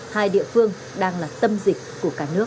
hai địa phương đang là tâm dịch của cả nước